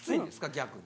逆に。